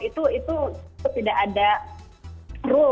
itu tidak ada rule